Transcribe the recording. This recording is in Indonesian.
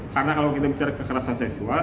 karena kalau kita bicara kekerasan seksual